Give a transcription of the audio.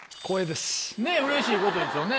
ねぇうれしいことですよね。